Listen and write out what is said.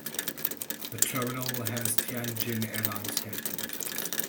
The terminal has Tianjin Airlines headquarters.